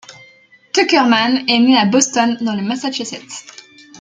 Tuckerman est né à Boston, dans le Massachusetts.